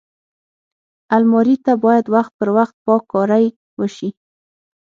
الماري ته باید وخت پر وخت پاک کاری وشي